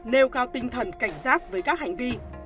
nêu cao tinh thần cảnh giác với các hành vi